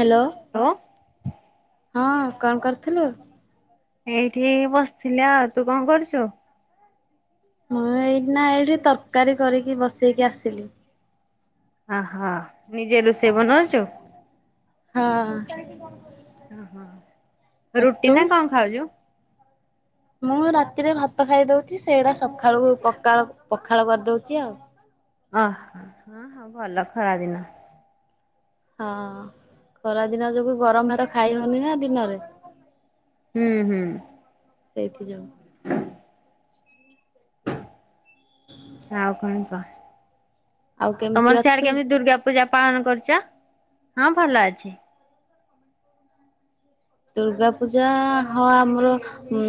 Hello. ଲୋ ହଁ କଣ କରୁଥିଲୁ? ଏଇଠି ବସିଥିଲି ଆଉ ତୁ କଣ କରୁଛୁ? ମୁଁ ଏଇଠି ନା ଏଇଠି ତରକାରୀ କରିକି ବସେଇକି ଆସିଲି। ଅହୋ ନିଜେ ରୋଷେଇ ବନଉଛୁ। ହଁ। ଓହୋ ଆଉ ରୁଟି ତୁ? ନା କଣ ଖାଉଛୁ? ମୁଁ ରାତିରେ ଭାତ ଖାଇଦଉଛି ସେଇଟା ସକାଳୁକୁ ପକାଳ ପଖାଳ କରିଦଉଛି ଆଉ। ଓହୋ ହଁ ହଁ ଭଲ ଖରାଦିନ। ହଁ ଖରାଦିନ ଯୋଗୁ ଗରମ ହୋର ଖାଇ ହଉନି ନା ଦିନରେ। ହୁଁ ହୁଁ। ସେଇଥି ଯଉଁ। [inaudible] ଆଉ କଣ କ ଆଉ କେମିତି ତମର ଅଛୁ? ସିଆଡେ କେମିତି ଦୁର୍ଗା ପୂଜା ପାଳନ କରୁଛ ହଁ ଭଲ ଅଛି। ଦୁର୍ଗା ପୂଜା ହଁ ଆମର ଉ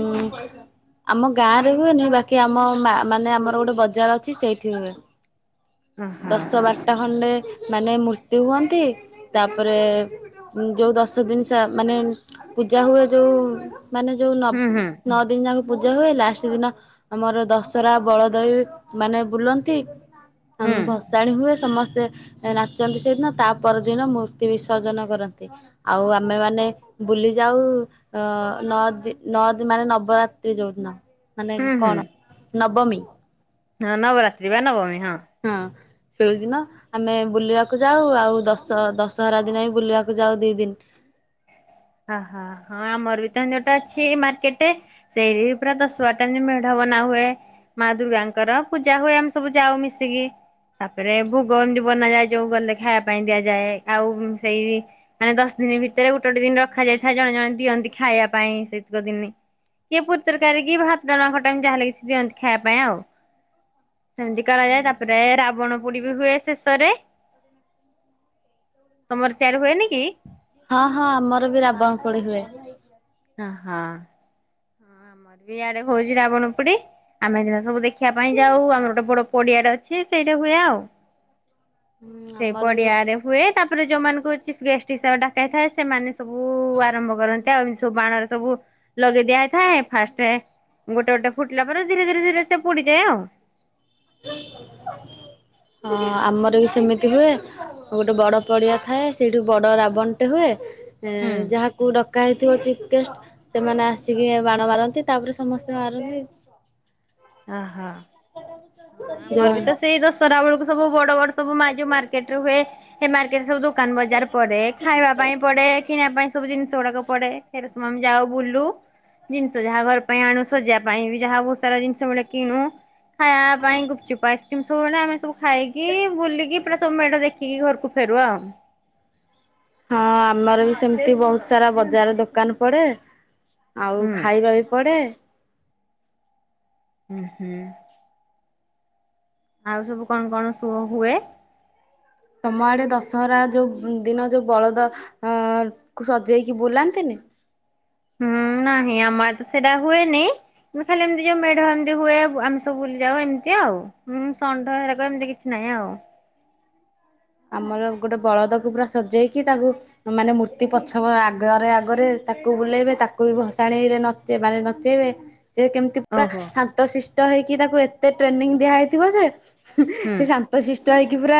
ଆମ ଗାଁ ରେ ହୁଏନି ବାକି ଆମ ମାନେ ଆମର ଗୋଟେ ବଜାର ଅଛି ସେଇଠି ହୁଏ। ଓହୋ ଦଶ ବାରଟା ଖଣ୍ଡେ ମାନେ ମୂର୍ତ୍ତିୁ ହୁଅନ୍ତି ତାପରେ। ଯୋଉ ଦଶ ଦିନ ମାନେ ପୂଜା ହୁଏ ଯୋଉ ମାନେ ଯୋଉ ନ ହୁଁ ହୁଁ ନଅ ଦିନ ଯାକ ପୂଜା ହୁଏ ଲାଷ୍ଟ ଦିନ ଆମର ଦଶହରା ବଳଦବି ମାନେ ବୁଲନ୍ତି। ହୁଁ ଉମ ଭସାଣି ହୁଏ ସମସ୍ତେ ନାଚନ୍ତି ସେଇଦିନ ତା ପରଦିନ ମୂର୍ତ୍ତି ବିସର୍ଜନ କରନ୍ତି। ଆଉ ଆମେ ମାନେ ବୁଲି ଯାଉ। ଅ ନଅ ଦ ଦି ନଅ ଦ ମାନେ ନବରାତ୍ରି ଯୋଉଦିିନ। ମାନେ ହୁଁ ହୁଁ କଣ ନବମୀ। ହଁ ନବରାତ୍ରି ବା ନବମୀ ହଁ। ହଁ। ସେଳି ଦିନ ଆମେ ବୁଲିବାକୁ ଯାଉ ଆଉ ଦଶ ଦଶହରା ଦିନ ହିଁ ବୁଲିବାକୁ ଯାଉ ଦି ଦିନ। ଓହୋ ହଁ ଆମର ବି ତ ହିନ୍ଦି ଗୋଟୋ ଅଛି ମାର୍କେଟେ। ସେଇଠି ପୁରା ଦଶ ବାରଟା ମେଢବନା ହୁଏ। ମା ଦୁର୍ଗାଙ୍କର ପୂଜା ହୁଏ ଆମେ ସବୁ ଯାଉ ମିଶିକି। ତାପରେ ଭୋଗ ଏମିତି ବନାଯାଏ ଯୋଉ ଗଲେ ଖାଇବା ପାଇଁ ଦିଆଯାଏ ଆଉ ସେଇ। ମାନେ ଦଶ ଦିନ ଭିତରେ ଗୋଟେ ଗୋଟେ ଦିନ ରଖାଯାଇଥାଏ ଜଣେ ଜଣେ ଦିଅନ୍ତି ଖାଇବା ପାଇଁ ସେତିକ ଦିନି। କିଏ ପୁରୀ ତରକାରୀ କି ଭାତଖଟା ଯାହା ହେଲେ କିଛି ଦିଅନ୍ତି ଖାଇବା ପାଇଁ ଆଉ। ସେମତି କରାଯାଏ ତାପରେ ରାବଣ ପୁଡି ବି ହୁଏ ଶେଷରେ ତମର ସିଆଡ଼େ ହୁଏନି କି? ହଁ, ହଁ ଆମର ବି ରାବଣ ପୋଡି଼ ହୁଏ। ଓହୋ ଆମର ବି ଇଆଡ଼େ ହଉଚି ବି ରାବଣ ପୁଡି। ଆମେଦିନ ସବୁ ଦେଖିବା ପାଇଁ ଯାଉ ଆମର ଗୋଟେ ବଡ଼ ପଡି଼ଆଟେ ଅଛି ସେଇଟା ହୁଏ ଆଉ। ହୁଁ ସେ ଆମର ବି ପଡ଼ିଆ ଗୋଟେ ଆଡ଼େ ହୁଏ ତାପରେ ଯୋଉମାନାନଙ୍କୁ ଚିପ୍ ଗେଷ୍ଟ ହିସାବରେ ଡ଼ାକାଇ ହେଇଥାଏ। ସେମାନେ ସବୁ ଆରମ୍ଭ କରନ୍ତି ଆଉ ଏମିତି ସବୁ ବାଣରେ ସବୁ ଲଗେଇ ଦିଆହେଇଥାଏ ଫାଷ୍ଟେ ଗୋଟେ ଗୋଟେ ଫୁଟିଲା ପରେ ଧୀରେ ଧୀରେ ଧୀରେ ସେ ପୁଡି଼ଯାଏ ଆଉ। ହଁ ଆମର ବି ସେମିତି ହୁଏ। ଗୋଟେ ବଡ଼ ପଡ଼ିଆ ଥାଏ ସେଇଠୁ ବଡ଼ ରାବଣଟେ ହୁଏ ହୁଁ। ଯାହକୁ କୁ ଡ଼କା ହେଇଥିବ ଚିଫ୍ ଗେଷ୍ଟ ସେମାନେ ଆସି କିସିକି ବାଣ ମାରନ୍ତି ତାପରେ ସମସ୍ତେ ମାରନ୍ତି। ହ, ହଁ। [inaudible] ହଁ ଆମର ବି ଯୋଉମାନେ ତ ସେଇ ଦଶହରା ବେଳକୁ ସବୁ ବଡ ବଡ ସବୁ ଯୋଉ ମାର୍କେଟ ରେ ହୁଏ ସେ ମାର୍କେଟ ରେ ସବୁ ଜଉ ଦୋକାନ ବଜାର ପଡ଼େ ଖାଇବା ପାଇଁ ପଡ଼େ କିଣିବା ପାଇଁ ସବୁ ଜିନିଷ ଗୁଡ଼ାକ ପଡ଼େ ସେଠୁ ସବୁ ଆମେ ଯାଉ ବୁଲୁ। ଜିନିଷ ଯାହା ଘର ପାଇଁ ଆଣୁ ସଜେଇବା ପାଇଁ ବି ଯାହା ବହୁତ ସାରା ଜିନିଷ ଗୁଡ଼ିଏ କିଣୁ ଖାଇବା। ପାଇଁ ଗୁପଚୁପ ଆଇସ୍କ୍ରିମ୍ ସବୁବେଳେ ଆମେ ସବୁ ଖାଇକି ବୁଲିକି ପୁରା ସବୁମେଢଦେଖିକି ଘରକୁ ଫେରୁ ଆଉ। ହଁ ଆମର ବି ସେମିତି ବହୁତ ସାରା ବଜାର ଦୋକାନ ପଡ଼େ। ଆଉ ହୁଁ ଖାଇବା ବି ପଡ଼େ। ହୁଁ, ହୁଁ। ଆଉ ସବୁ କଣ କଣ ସବୁ ହୁଏ। ତମ ଆଡ଼େ ଦଶହରା ଯେଉଁ ଦିନ ଯେଉଁ ବଳଦ ହଁ ସଜେଇକି ବୁଲାନ୍ତିନି। ହୁଁ ନାହିଁ ଆମ ଆଡ଼େ ତ ସେଇଟା ହୁଏନି। ମୁଁ ଖାଲି ଏମିତି ଜଉ ମେଢ ଏମିତି ହୁଏ ଆମେ ସବୁ ବୁଲି ଯାଉ ଏମିତି ଆଉ। ହଁ ଷଣ୍ଢ ହେରାକ ଏମିତି କିଛି ନାହିଁ ଆଉ। ଆମର ଗୋଟେ ବଳଦକୁ ପୁରା ସଜେଇକି ତାକୁ ମାନେ ମୂର୍ତ୍ତି ପଛ ଆଗରେ ଆଗରେ ତାକୁ ବୁଲେଇବେ ତାକୁ ବି ଭସାଣିରେ ନଚ ମାନେ ନଚେଇବେ। ସେ କେମତି ପୁରା ଓହୋ ଶାନ୍ତ ସିଷ୍ଟ ହେଇକି ତାକୁ ଏତେ ଟ୍ରେନିଂ ଦିଆ ହେଇଥିବ ଯେ ହୁଁ ସେ ଶା ତ ସିଷ୍ଟ ହେଇକି ପୁରା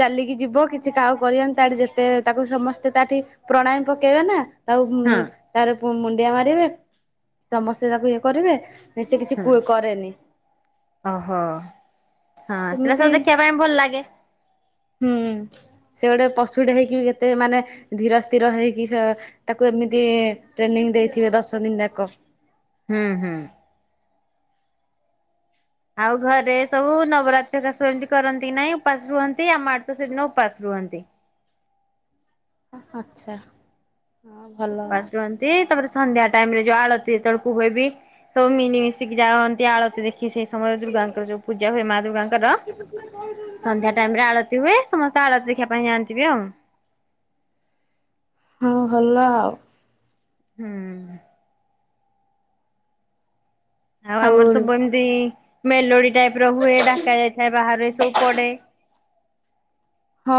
ଚାଲିକି ଯିବ, କିଛି କାହାକୁ କହିଁବନି ତାଠି ଯେତେ ତାକୁ ସମସ୍ତେ ତାଠି ପ୍ରଣାୟାମି ପକେଇବେ ନା। ତାକୁ ହଁ ତାର ମୁଣ୍ଡିଆ ମାରିବେ, ସମସ୍ତେ ତାକୁ ଇଏ କରିବେ। ବେଶୀ କିଛି ହଁ କରେନି। ଓହୋ ହଁ ସେଟା ଏମିତି ସବୁ ଦେଖିବା ପାଇଁ ଭଲ ଲାଗେ। ହୁଁ ସେ ଗୋଟେ ପଶୁଟେ ହେଇକି କେତେ ମାନେ ଧୀର ସ୍ଥିର ହେଇକି ସେ ତାକୁ ଏମିତି ଟ୍ରେନିଂ ଦେଇଥିବେ ଦଶ ଦିନ ଯାକ। ହୁଁ ହୁଁ। ଆଉ ଘରେ ସବୁ ନବରାତ୍ରି ହେରିକା ସବୁ କରନ୍ତି ନାହିଁ ଉପାସ ରୁହନ୍ତି ଆମ ଆଡେ ତ ସେଦିନ ଉପାସ ରୁହନ୍ତି। ଆଚ୍ଛା। ହଁ ଉପାସ ରୁହ, ନ୍ତି ତାପରେ ସନ୍ଧ୍ୟା ଟାଇମ ରେ ଜଉ ଆଳତି ଯେତେବେଳକୁ ହୁଏ ବି, ସବୁ ମିନିମଶି ସେିଠିକି ଯାଅନ୍ତି ଆଳତି ଦେଖି ସେଇ ସମୟରେ ଦୁର୍ଗାଙ୍କର ଯୋଉ ପୂଜା ହୁଏ ମା ଦୁର୍ଗାଙ୍କର। [unintelligible] ସନ୍ଧ୍ୟା ଆଳତି ହୁଏ ସମସ୍ତେ ଆଳତି ଦେଖିବା ପାଇଁ ଯାଆନ୍ତି ବି ଆଉ। ହଁ ଭଲ ଆଉ। ହୁଁ। ଆଉ ଆମର ସବୁ ଏମିତି ମେଲୋଡି ଟାଇପ ର ହୁଏ ଡାକ ଯାଇଥାଏ ବାହାରୁ ଏ ସବୁ ପଡେ। ହଁ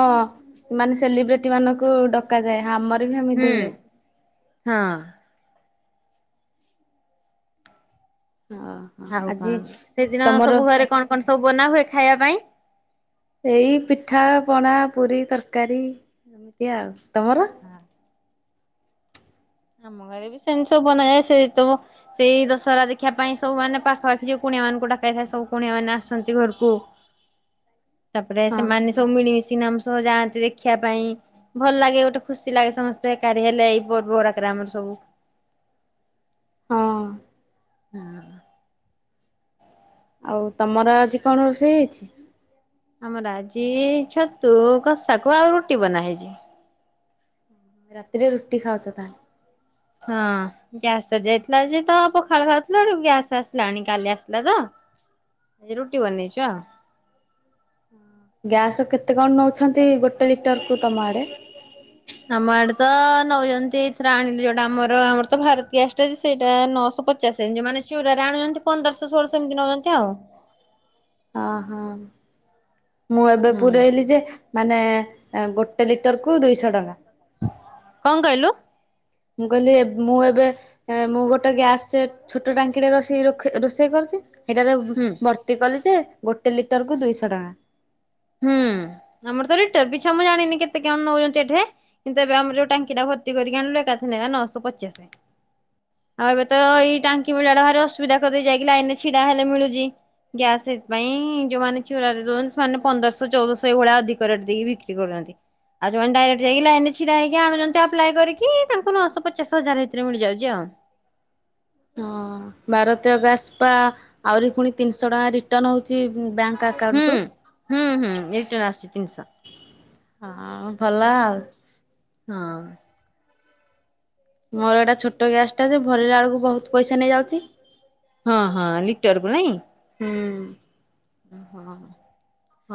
ମାନେ ସେଲିବ୍ରିଟି ମାନଙ୍କୁ ଡକାଯାଏ ଆମର ବି ହେମିତି ହୁଁ ହୁଏ। ହଁ। ହଁ। ଆଉ କଣ, ସେଦିନ ସବୁ ଘରେ କଣ କଣ ସବୁ ବନା ହୁଏ ଖାଇବା ପାଇଁ? ଏଇ ପିଠା, ପଣା, ପୁରୀ, ତରକାରୀ ଏମିତି ଆଉ, ତମର? ହଁ। ଆମ ଘରେ ବି ସେମିତି ସବୁ ବନା ଯାଏ, ସେଇ ତବ ସେଇ ଦଶହରା ଦେଖିବା ପାଇଁ ସଵୁ ମାନେ ପାଖାପାଖି ଜଉ କୁଣିଆ ମାନଙ୍କୁ ଡକାଇଥାଏ ସବୁ କୁଣିଆ ମାନେ ଆସନ୍ତି ଘରକୁ। ତାପରେ ହଁ ସେମାନେ ସବୁ ମିଳିମିଶି କିନା ଆମ ସହ ଯାଆନ୍ତି ଦେଖିବା ପାଇଁ। ଭଲ ଲାଗେ ଗୋଟେ ଖୁସି ଲାଗେ ସମସ୍ତେ ଏକାଠି ହେଲେ ଏଇ ପର୍ବରାକରେ ଆମର ସବୁ। ହଁ। ହୁଁ। ଆଉ ତମର ଆଜି କଣ ରୋଷେଇ ହେଇଛି? ଆମର ଆଜି ଛତୁ କଷାକୁ ଆଉ ରୁଟି ବନା ହେଇଛି। ରାତିରେ ରୁଟି ଖାଉଛ ତାହେଲେ? ହଁ। ଗ୍ୟାସ ସରି ଯାଇଥିଲା ଯେ ତ ପଖାଳ ଖାଉଥିଲା ବଳୁ ଗ୍ୟାସ ଆସିଲାଣି କାଲି ଆସିଲା ତ। ଆଜି ରୁଟି ବନେଇଛୁ ଆଉ। ଗ୍ୟାସ୍ କେତେ କଣ ନେଉଛନ୍ତି ଗୋଟେ ଲିଟରକୁୁ ତମ ଆଡ଼େ? ଆମ ଆଡେ ତ ନଉଛନ୍ତି ଏଥିରେ ଆଣିଲି ଯୋଉଟା ଆମର, ଆମର ତ ଭାରତ ଗ୍ୟାଷ୍ଟା ଅଛି ସେଇଟା ନଅଶହ ପଚ ଆଛା ସେମିତି ମାନେ ଚୁରାରେ ଆଣୁଛନ୍ତି ପନ୍ଦରଶହ ଷୋଳଶହ ଏମିତି ନେଉଛନ୍ତି ଆଉ। ଅ ହୋ, ମୁଁ ଏବେ ହୁଁ ପୁରଇଲି ଯେ ମାନେ, ଗୋଟେ ଲିଟରକୁ ଦୁଇଶହ ଟଙ୍କା। କଣ କହିଲୁ? ମୁଁ କହିଲି, ମୁଁ ଏବେ ଏଁ ମୁଁ ଗୋଟେ ଗ୍ୟାସ୍, ଛୋଟ ଟାଙ୍କିଟେ ରୋଷେଇ ରଖି ରୋଷେଇ କରୁଚି ହେଇଟାରେ ହୁଁ ଭର୍ତ୍ତି କଲି ଯେ, ଗୋଟେ ଲିଟର କୁ ଦୁଇଶ ଟଙ୍କା। ହୁଁ, ଆମର ତ ରିଟର ପିଛା ମୁଁ ଜାଣିନି କେତେ କଣ ନଉଚନ୍ତି ଏଠେ? କିନ୍ତୁ ଏବେ ଆମର ଯୋଉ ଟାଙ୍କି ଟା ଭର୍ତ୍ତି କରିକି ଆଣିଲୁ, ଏକାଥରେ ନେଲା ନଅଶହ ପଚାଶ। ଆଉ ଏବେ ତ ଏଇ ଟାଙ୍କି ମିଳିବାଟା ଭାରି ଅସୁବିଧା କରିଦେଇଚି, ଯାଇକି ଲାଇନ ରେ ଛିଡା ହେଲେ ମିଳୁଚି। ଗ୍ୟାସ ସେଥିପାଇଁ ଯୋଉମାନେ ଚୋରାରେ ଦଉଚନ୍ତି, ସେମାନେ ପନ୍ଦରଶହ, ଚଉଦଶହ ଏଇଭଳିଆ ଅଧିକ ରେଟ୍ ଦେଇକି ବିକ୍ରି କରୁଚନ୍ତି। ଆଉ ଯୋଉମାନେ ଡାଇରେକ୍ଟ ଯାଇକି ଲାଇନରେ ଛିଡା ହେଇକି ଆଣୁଚନ୍ତି ଆପ୍ଲାଏ କରିିକି, ତାଙ୍କୁ ନଅଶହ ପଚାଶ, ହଜାର ଭିତରେ ମିଳିଯାଉଚି ଆଉ। ହଁ, ଭାରତୀୟ ଗ୍ୟାସ ପା, ଆହୁରି ପୁଣି ତିନିଶହ ଟଙ୍କା ରିଟର୍ଣ ହଉଚି ବ୍ୟାଙ୍କ ହୁଁ, ଆକାଉଣ୍ଟକୁ। ହୁଁ ହୁଁ, ରିଟର୍ନ ଆସୁଚି ତିିନିଶ। ହଁ, ଭଲ ଆଉ। ହୁଁ ଉଁ ମୋର ଏଇଟା ଛୋଟ ଗ୍ୟାସ୍ ଟା ଯେ, ଭରିଲା ବେଳକୁ ବହୁତ ପଇସା ନେଇଯାଉଚି। ହଁ ହଁ ଲିଟରକୁ ନାଇଁ? ହୁଁ ହଁ ହଁ,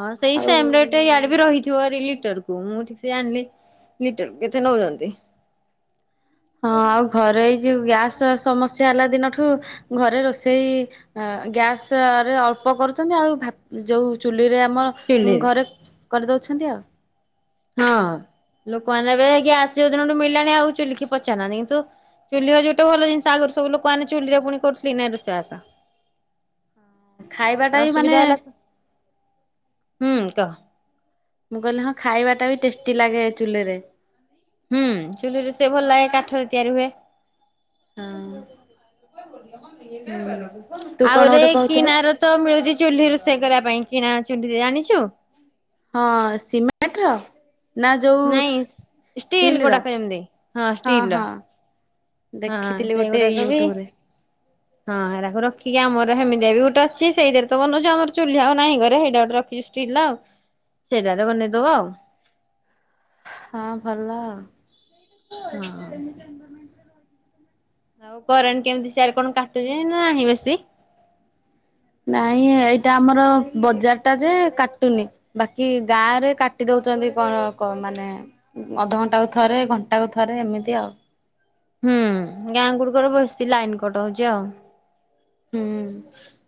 ହଁ ସେଇ ସେମ୍ ରେଟ୍ ୟାଡେ ବି ଆଉ ରହିଥିବ ରି ଲିଟର କୁ? କୁ ମୁଁ କିଛି ଜାଣିନି ଲିଟରକୁ କେତେ ନଉଚନ୍ତି? ହଁ, ଆଉ ଘରେ ଏଇ ଯୋଉ ଗ୍ୟାସ ସମସ୍ୟା ହେଲା ଦିନଠୁ, ଘରେ ରୋଷେଇ ଗ୍ୟାସ ରେ ଅଳ୍ପ କରୁଚନ୍ତି, ଆଉ ଭାତ୍ ଯୋଉ ଚୁଲିରେ ଆମର ଚୁଲିରେ? ଘରେ କରିଦଉଛନ୍ତି ଆଉ। ହଁ, ଲୋକମାନେ ଏବେ ଗ୍ୟାସ ଯୋଉ ଦିନଠୁ ମିଳି ଲାଣି ଆଉ ଚୁଲିିକି ପଚାରୁ ନାହାନ୍ତି, କିନ୍ତୁ ଚୁଲିର ଯୋଉଟା ଭଲ ଜିନିଷ, ଆଗରୁ ସବୁ ଲୋକମାନେେ ଚୁଲିରେ ପୁଣି କରୁଥିଲେ କି ନାଇଁ ରୋଷେଇବାସ? [unintelligible] ଖାଇବାଟା ବି ମାନେ ଅସୁବିଧା ହେଲା, ହୁଁ କହ? ମୁଁ କହିଲି ହଁ ଖାଇବାଟା ବି ଟେଷ୍ଟି ଲାଗେ ଚୁଲିରେ। ହୁଁ, ଚୁଲି ରୋଷେଇ ଭଲ ଲାଗେ, କାଠରେ ତିଆରି ହୁଏ। ହୁଁ ହୁଁ, ତୁ ଆଉ କଣ ଗୁରେ ଗୋଟେ କହୁଥିଲୁ କିଣାର ତ ମିଳୁଛି ଚୁଲି ରୋଷେଇ କରିବା ପାଇଁ, କିଣା ଚୁଲିରେ ଜାଣିଛୁ? ହଁ ସିମେଣ୍ଟ୍ ର? ନା ଯୋଉ ନାଇଁ ଷ୍ଟିଲ ଗୁଡାକ ଏମତି, ହଁ ଷ୍ଟିଲ ର। ହଁ, ଦେଖିଥିଲି ଗୋଟେ ସେଇଗୁଡାକ ବି ୟୁଟ୍ୟୁବରେ ହଁ, ଏରାକୁ ରଖିକି, ଆମର ହେମିତିଆ ବି ଗୋଟେ ଅଛି ସେଇଥିରେ ତ ବନଉଚୁ, ଆମର ଚୁଲି ଆଉ ନାହିଁ ଘରେ ହେଇଟା ଗୋଟେ ରଖିଚି, ଷ୍ଟି ଲ୍ ର ଆଉ, ସେଟାରେ ବନେଇଦବ ଆଉ। ହଁ, ଭଲ ଆଉ। ହଁ। ଆଉ କରେଣ୍ଟ କେମିତି ସିଆରେ କଣ କାଟୁଚି, ନା ନାହିଁ ବେଶୀ? ନାଇଁ ଏଇଟା ଆମର ବଜାର ଟା ଯେ, କାଟୁନି। ବାକି ଗାଁ ରେ କାଟି ଦଉଚନ୍ତି କଣ କ ମାନେ ଅଧଘଣ୍ଟାକୁ ଥରେ, ଘଣ୍ଟା କୁ ଥରେ, ଏମିତି ଆଉ। ହୁଁ, ଗାଁ ଗୁଡିକରେ ବେସି ଲାଇନ କଟ୍ ହଉଚି ଆଉ। ହୁଁ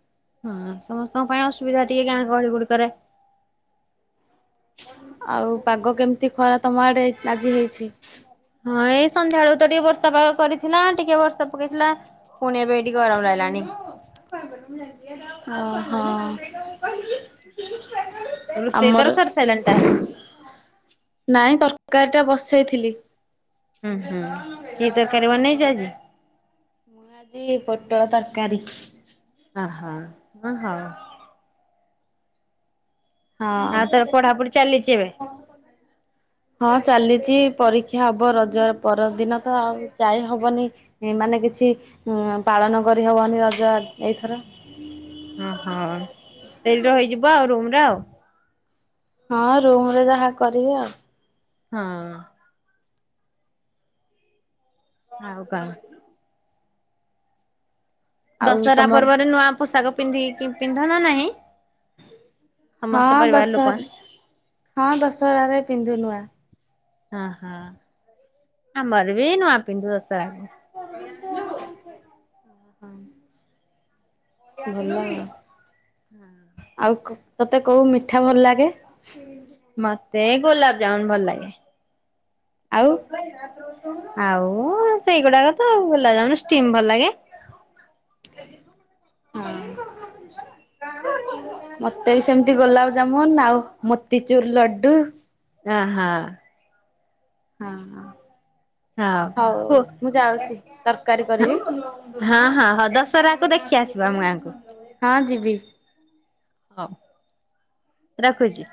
ହଁ, ସମସ୍ତଙ୍କ ପାଇଁ ଅସୁବିଧା ଟିକେ ଗାଁ ଗହଳି ଗୁଡିକରେ। ଆଉ ପାଗ କେମିତି ଖରା ତମ ଆଡେ ଆଜି ହେଇଛି? ହଁ, ଏଇ ସନ୍ଧ୍ୟା ବେଳୁକୁ ତ ଟିକେ ବର୍ଷା ପାଗ କରିଥିଲା, ଟିକେ ବର୍ଷା ପକେଇଥିଲା ପୁଣି ଏବେ ଏଇଠି ଗରମ ଲାଗିଲାଣି। ହଁ ହଁ ରୋଷେଇ ତୋର ଆମର ସରି ସାରିଲାଣି ତାହେଲେ? ନାଇଁ ତରକାରୀ ଟା ବସେଇଥିଲି। ଉଁ ହୁଁ କି ତରକାରୀ ବନେଇଚୁ ଆଜି? ମୁଁ ଆଜି ପୋଟଳ ତରକାରୀ। ଅ ହ ହଁ ହଉ। ଆଉ ତୋର ପଢାପଢି ଚାଲିଛି ଏବେ? ହଁ। ହଁ ଚାଲିଚି ପରୀକ୍ଷା ହବ ରଜର ପରଦିନ ତ ଆଉ ଯାଇ ହବନି। ଏ ମାନେ କିଛି ଉଁ ପାଳନ କରିହବନି ରଜ ଆ ଏଇଥର। ଓହୋ ସେଇଠି ରହିଯିବ ଆଉ ରୁମ୍ ରେ ଆଉ। ହଁ ରୁମ୍ ରେ ଯାହା କରିବି ଆଉ। ହଁ। ଆଉ କଣ? ଆଉ ଦଶହରା ତମର ପର୍ବରେ ନୂଆ ପୋଷାକ ପିନ୍ଧିକି ପିନ୍ଧ ନା ନାହିଁ? ହଁ ସମସ୍ତ ପରିବାର ଦଶହର ଲୋକମାନେ ହଁ ଦଶହରା ରେ ପିନ୍ଧୁ ନୂଆ। ହ ହଁ ଆମର ବି ନୂଆ ପିନ୍ଧୁ ଦଶହରାରେ। କିନ୍ତୁ କଣ କରିବା ଆଉ ହଁ। ଭଲ ଆ ଆଉ କ ତୋତେ କୋଉ ମିଠା ଭଲ ଲାଗେ? ହୁଁ ମତେ ଗୋଲାପ ଜାମୁନ ଭଲ ଲାଗେ। ଆଉ ଆଉ ସେଇଗୁଡ଼ାକ ତ ଗୁଲାବ ଜାମୁନ, ଷ୍ଟିମ ଭଲ ଲାଗେ। ହଁ। କାଣ ତମର ଯାହା [unintelligible] ସେମତି ଗୋଲାପଜାମୁନ ଆଉ ମୋତିଚୁର ଲଡ଼ୁ ଅ ହ। ହଁ ହଁ ହଉ ହଁ ମୁଁ ଯାଉଚି ତରକାରୀ କରିବି? ହଁ ହଁ ହଉ ଦଶହରାକୁ ଦେଖି ଆସିବ ଆମ ଗାଁକୁ। ହଁ ଯିବି। ହଉ ରଖୁଚି?